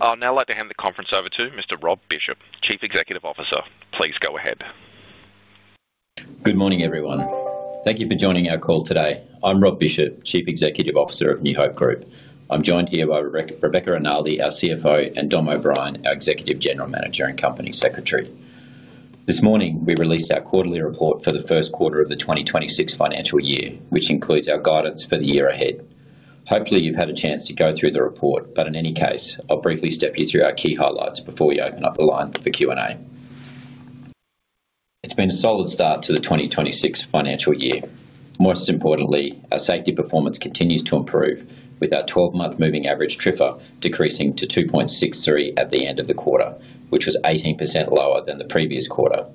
I'd now like to hand the conference over to Mr. Rob Bishop, Chief Executive Officer. Please go ahead. Good morning, everyone. Thank you for joining our call today. I'm Rob Bishop, Chief Executive Officer of New Hope Group. I'm joined here by Rebecca Rinaldi, our CFO, and Dom O'Brien, our Executive General Manager and Company Secretary. This morning, we released our quarterly report for the first quarter of the 2026 financial year, which includes our guidance for the year ahead. Hopefully, you've had a chance to go through the report, but in any case, I'll briefly step you through our key highlights before we open up the line for Q&A. It's been a solid start to the 2026 financial year. Most importantly, our safety performance continues to improve, with our 12-month moving average TRIFR decreasing to 2.63 at the end of the quarter, which was 18% lower than the previous quarter.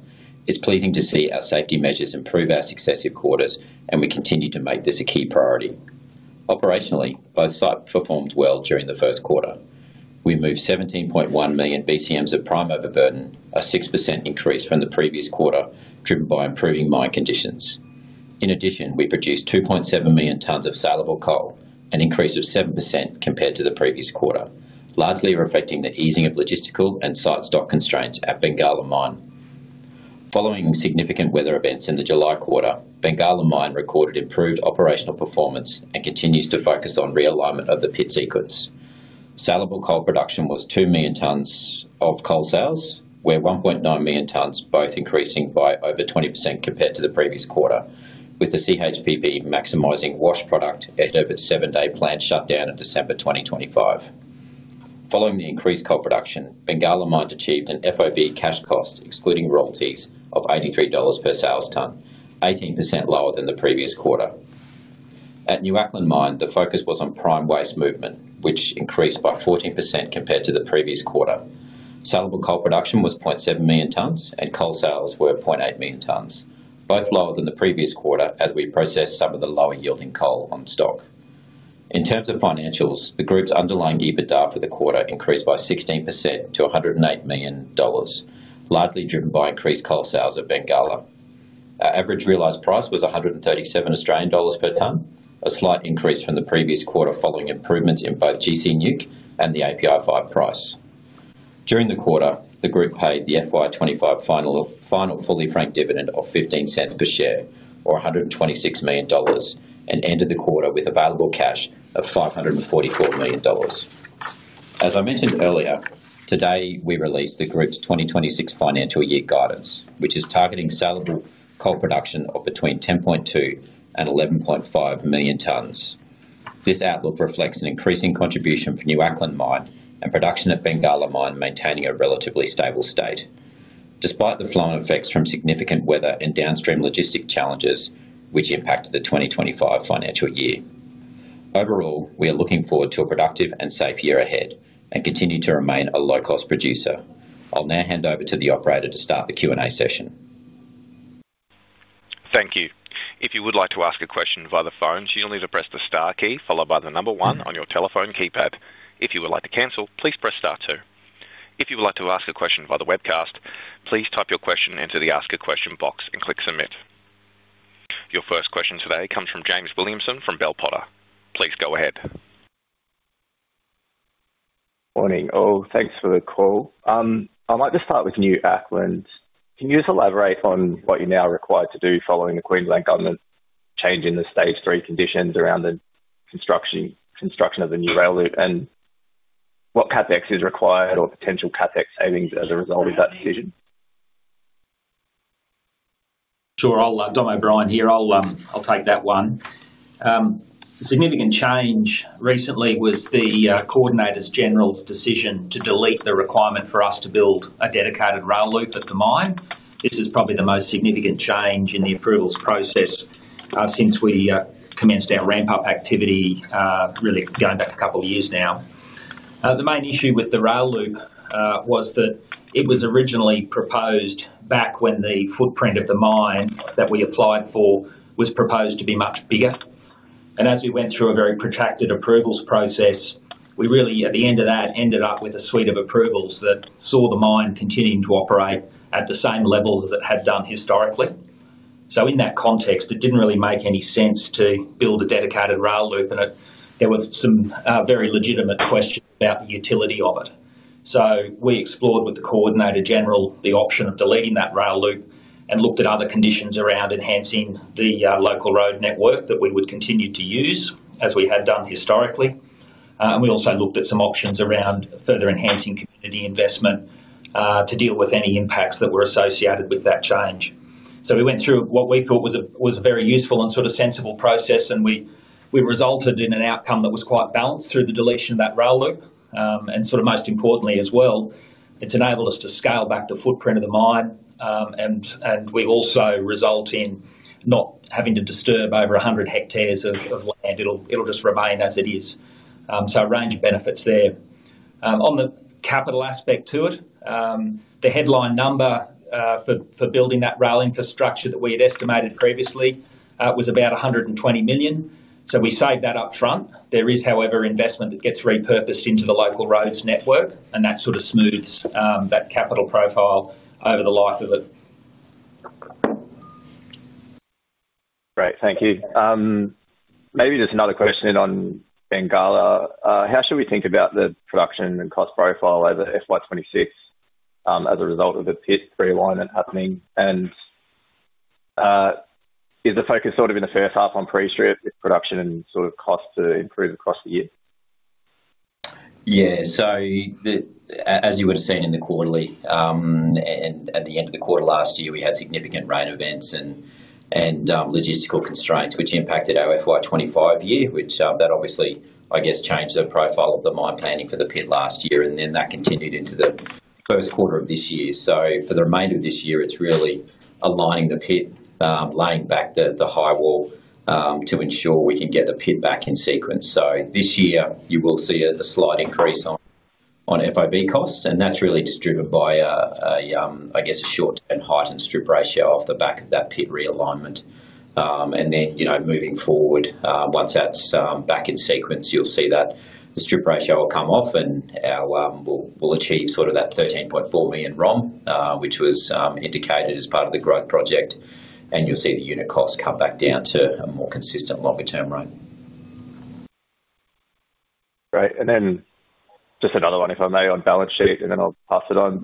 It's pleasing to see our safety measures improve over successive quarters, and we continue to make this a key priority. Operationally, both sites performed well during the first quarter. We moved 17.1 million BCM of prime overburden, a 6% increase from the previous quarter, driven by improving mine conditions. In addition, we produced 2.7 million tons of salable coal, an increase of 7% compared to the previous quarter, largely reflecting the easing of logistical and site stock constraints at Bengalla Mine. Following significant weather events in the July quarter, Bengalla Mine recorded improved operational performance and continues to focus on realignment of the pit sequence. Salable coal production was 2 million tons and coal sales, with 1.9 million tons, both increasing by over 20% compared to the previous quarter, with the CHPP maximizing wash product at its seven-day planned shutdown in December 2025. Following the increased coal production, Bengalla Mine achieved an FOB cash cost, excluding royalties, of 83 dollars per sales ton, 18% lower than the previous quarter. At New Acland Mine, the focus was on prime waste movement, which increased by 14% compared to the previous quarter. Salable coal production was 0.7 million tons, and coal sales were 0.8 million tons, both lower than the previous quarter as we processed some of the lower-yielding coal on stock. In terms of financials, the group's underlying EBITDA for the quarter increased by 16% to 108 million dollars, largely driven by increased coal sales at Bengalla. Our average realized price was 137 Australian dollars per ton, a slight increase from the previous quarter following improvements in both gC NEWC and the API 5 price. During the quarter, the group paid the FY25 final fully franked dividend of 0.15 per share, or 126 million dollars, and ended the quarter with available cash of 544 million dollars. As I mentioned earlier, today we released the group's 2026 financial year guidance, which is targeting salable coal production of between 10.2 and 11.5 million tons. This outlook reflects an increasing contribution for New Acland Mine and production at Bengalla Mine maintaining a relatively stable state, despite the flowing effects from significant weather and downstream logistic challenges, which impacted the 2025 financial year. Overall, we are looking forward to a productive and safe year ahead and continue to remain a low-cost producer. I'll now hand over to the operator to start the Q&A session. Thank you. If you would like to ask a question via the phone, you'll need to press the star key followed by the number one on your telephone keypad. If you would like to cancel, please press star two. If you would like to ask a question via the webcast, please type your question into the ask a question box and click submit. Your first question today comes from James Williamson from Bell Potter. Please go ahead. Morning. Oh, thanks for the call. I might just start with New Acland. Can you just elaborate on what you're now required to do following the Queensland government changing the stage three conditions around the construction of the new rail loop and what CapEx is required or potential CapEx savings as a result of that decision? Sure. I'll let Dom O'Brien here. I'll take that one. The significant change recently was the Coordinator-General's decision to delete the requirement for us to build a dedicated rail loop at the mine. This is probably the most significant change in the approvals process since we commenced our ramp-up activity, really going back a couple of years now. The main issue with the rail loop was that it was originally proposed back when the footprint of the mine that we applied for was proposed to be much bigger. As we went through a very protracted approvals process, we really, at the end of that, ended up with a suite of approvals that saw the mine continuing to operate at the same levels as it had done historically. In that context, it didn't really make any sense to build a dedicated rail loop, and there were some very legitimate questions about the utility of it. We explored with the Coordinator-General the option of deleting that rail loop and looked at other conditions around enhancing the local road network that we would continue to use as we had done historically. We also looked at some options around further enhancing community investment to deal with any impacts that were associated with that change. We went through what we thought was a very useful and sort of sensible process, and we resulted in an outcome that was quite balanced through the deletion of that rail loop. Most importantly as well, it's enabled us to scale back the footprint of the mine, and we also result in not having to disturb over 100 hectares of land. It'll just remain as it is. A range of benefits there. On the capital aspect to it, the headline number for building that rail infrastructure that we had estimated previously was about 120 million. We saved that upfront. There is, however, investment that gets repurposed into the local roads network, and that smooths that capital profile over the life of it. Great. Thank you. Maybe just another question on Bengalla. How should we think about the production and cost profile over FY2026 as a result of the pit realignment happening? Is the focus sort of in the first half on pre-strip production and sort of cost to improve across the year? Yeah. As you would have seen in the quarterly and at the end of the quarter last year, we had significant rain events and logistical constraints, which impacted our FY2025 year, which that obviously, I guess, changed the profile of the mine planning for the pit last year, and then that continued into the first quarter of this year. For the remainder of this year, it is really aligning the pit, laying back the high wall to ensure we can get the pit back in sequence. This year, you will see a slight increase on FOB costs, and that is really just driven by, I guess, a short and heightened strip ratio off the back of that pit realignment. Moving forward, once that's back in sequence, you'll see that the strip ratio will come off, and we'll achieve sort of that 13.4 million ROM, which was indicated as part of the growth project, and you'll see the unit costs come back down to a more consistent longer-term rate. Great. And then just another one, if I may, on balance sheet, and then I'll pass it on.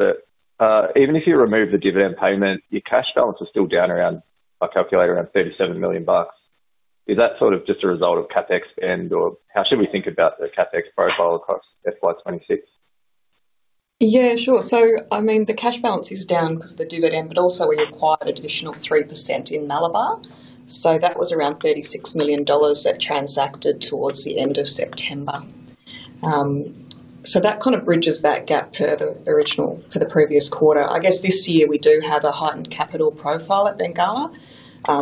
Even if you remove the dividend payment, your cash balance is still down around, I calculate, around 37 million bucks. Is that sort of just a result of CapEx spend, or how should we think about the CapEx profile across FY2026? Yeah, sure. I mean, the cash balance is down because of the dividend, but also we acquired an additional 3% in Malabar. That was around 36 million dollars that transacted towards the end of September. That kind of bridges that gap for the previous quarter. I guess this year we do have a heightened capital profile at Bengalla.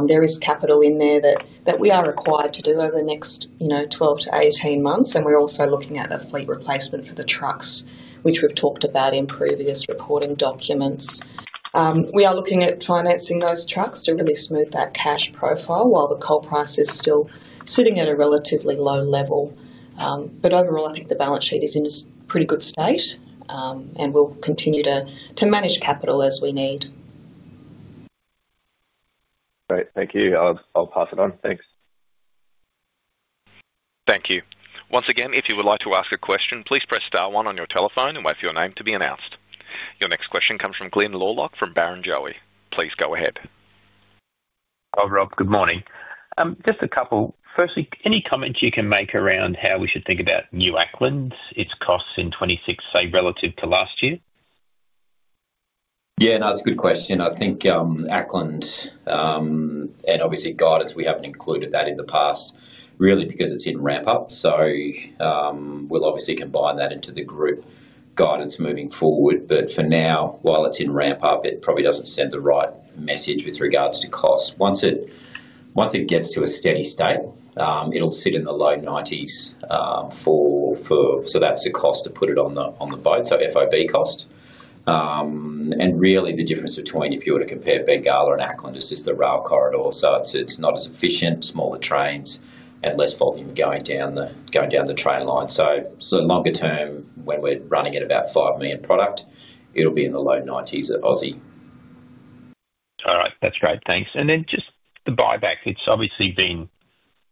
There is capital in there that we are required to do over the next 12 to 18 months, and we're also looking at a fleet replacement for the trucks, which we've talked about in previous reporting documents. We are looking at financing those trucks to really smooth that cash profile while the coal price is still sitting at a relatively low level. Overall, I think the balance sheet is in pretty good state, and we'll continue to manage capital as we need. Great. Thank you. I'll pass it on. Thanks. Thank you. Once again, if you would like to ask a question, please press star one on your telephone and wait for your name to be announced. Your next question comes from Glyn Lawcock from Barrenjoey. Please go ahead. Hi, Rob. Good morning. Just a couple. Firstly, any comments you can make around how we should think about New Acland, its costs in 2026, say, relative to last year? Yeah, no, that's a good question. I think Acland and obviously guidance, we haven't included that in the past, really, because it's in ramp-up. We'll obviously combine that into the group guidance moving forward. For now, while it's in ramp-up, it probably doesn't send the right message with regards to cost. Once it gets to a steady state, it'll sit in the low 90s. That's the cost to put it on the boat, so FOB cost. Really, the difference between, if you were to compare Bengalla and Acland, is just the rail corridor. It's not as efficient, smaller trains, and less volume going down the train line. Longer term, when we're running at about 5 million product, it'll be in the low 90s at AUD. All right. That's great. Thanks. And then just the buyback, it's obviously been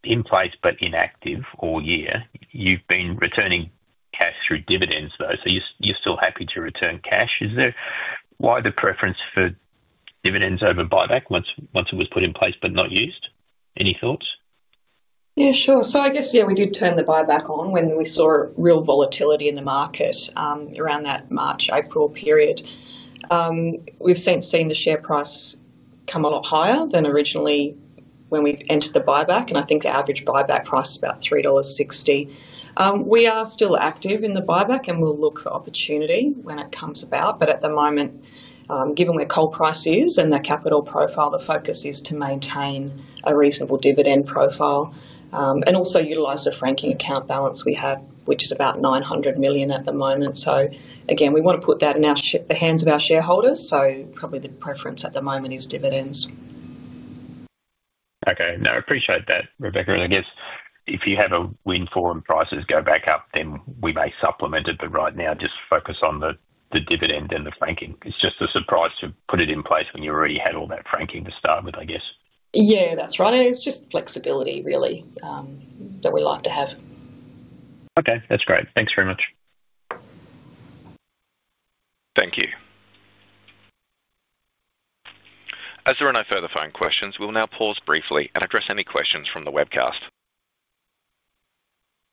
in place but inactive all year. You've been returning cash through dividends, though, so you're still happy to return cash. Why the preference for dividends over buyback once it was put in place but not used? Any thoughts? Yeah, sure. So I guess, yeah, we did turn the buyback on when we saw real volatility in the market around that March-April period. We've since seen the share price come a lot higher than originally when we entered the buyback, and I think the average buyback price is about 3.60 dollars. We are still active in the buyback, and we'll look for opportunity when it comes about. At the moment, given where coal price is and the capital profile, the focus is to maintain a reasonable dividend profile and also utilize the franking account balance we have, which is about 900 million at the moment. Again, we want to put that in the hands of our shareholders, so probably the preference at the moment is dividends. Okay. No, I appreciate that, Rebecca. I guess if you have a win, foreign prices go back up, then we may supplement it, but right now, just focus on the dividend and the franking. It's just a surprise to put it in place when you already had all that franking to start with, I guess. Yeah, that's right. It's just flexibility, really, that we like to have. Okay. That's great. Thanks very much. Thank you. As there are no further phone questions, we'll now pause briefly and address any questions from the webcast.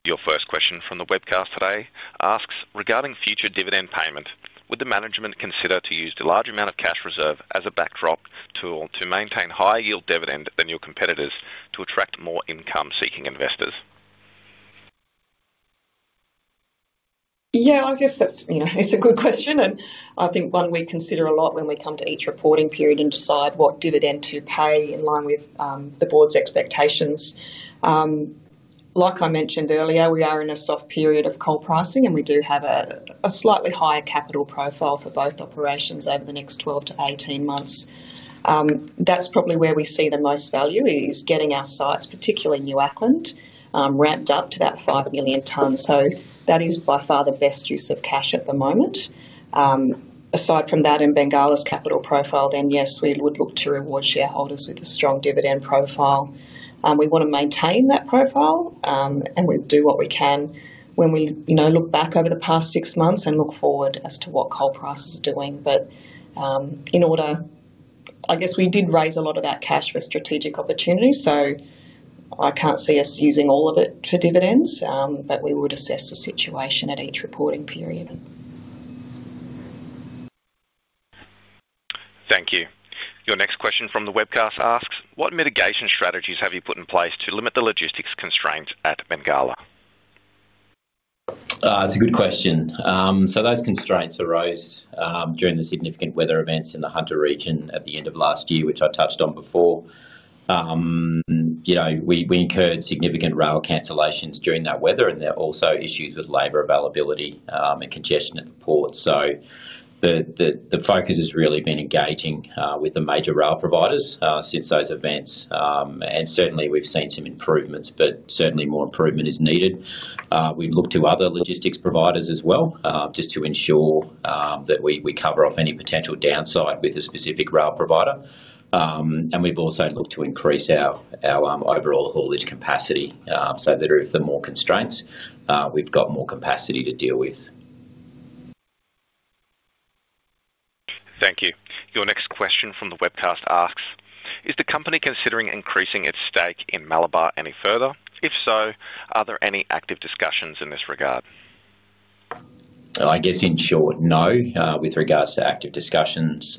Your first question from the webcast today asks, regarding future dividend payment, would the management consider to use the large amount of cash reserve as a backdrop tool to maintain higher yield dividend than your competitors to attract more income-seeking investors? Yeah, I guess that's a good question. I think one we consider a lot when we come to each reporting period and decide what dividend to pay in line with the board's expectations. Like I mentioned earlier, we are in a soft period of coal pricing, and we do have a slightly higher capital profile for both operations over the next 12 to 18 months. That's probably where we see the most value, is getting our sites, particularly New Acland, ramped up to that 5 million ton. That is by far the best use of cash at the moment. Aside from that and Bengalla's capital profile, then yes, we would look to reward shareholders with a strong dividend profile. We want to maintain that profile, and we'll do what we can when we look back over the past six months and look forward as to what coal price is doing. In order, I guess we did raise a lot of that cash for strategic opportunities, so I can't see us using all of it for dividends, but we would assess the situation at each reporting period. Thank you. Your next question from the webcast asks, what mitigation strategies have you put in place to limit the logistics constraints at Bengalla? That's a good question. Those constraints arose during the significant weather events in the Hunter region at the end of last year, which I touched on before. We incurred significant rail cancellations during that weather, and there are also issues with labor availability and congestion at the port. The focus has really been engaging with the major rail providers since those events, and certainly, we've seen some improvements, but certainly, more improvement is needed. We've looked to other logistics providers as well just to ensure that we cover off any potential downside with a specific rail provider. We've also looked to increase our overall haulage capacity so that if there are more constraints, we've got more capacity to deal with. Thank you. Your next question from the webcast asks, is the company considering increasing its stake in Malabar any further? If so, are there any active discussions in this regard? I guess in short, no, with regards to active discussions.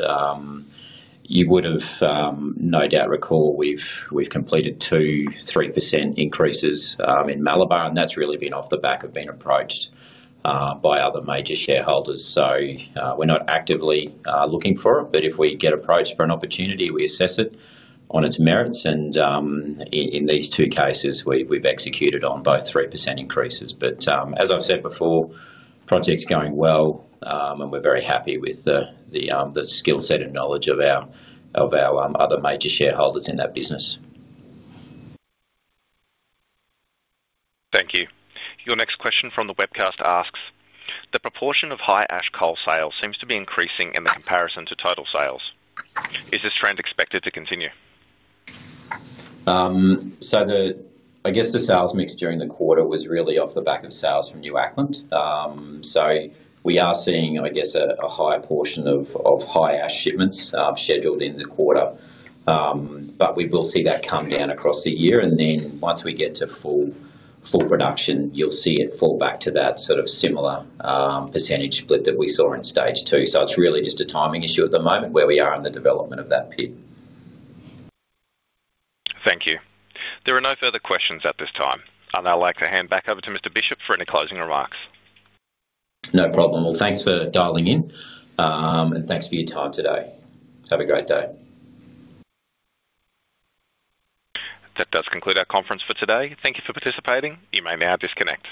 You would have no doubt recall we've completed two 3% increases in Malabar, and that's really been off the back of being approached by other major shareholders. We're not actively looking for it, but if we get approached for an opportunity, we assess it on its merits. In these two cases, we've executed on both 3% increases. As I've said before, project's going well, and we're very happy with the skill set and knowledge of our other major shareholders in that business. Thank you. Your next question from the webcast asks, the proportion of high-ash coal sales seems to be increasing in comparison to total sales. Is this trend expected to continue? I guess the sales mix during the quarter was really off the back of sales from New Acland. We are seeing, I guess, a higher portion of high-ash shipments scheduled in the quarter, but we will see that come down across the year. Once we get to full production, you'll see it fall back to that sort of similar percentage split that we saw in stage two. It is really just a timing issue at the moment where we are in the development of that pit. Thank you. There are no further questions at this time. I'd now like to hand back over to Mr. Bishop for any closing remarks. No problem. Thanks for dialing in, and thanks for your time today. Have a great day. That does conclude our conference for today. Thank you for participating. You may now disconnect.